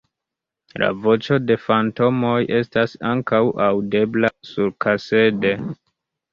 La voĉo de fantomoj estas ankaŭ aŭdebla surkasede.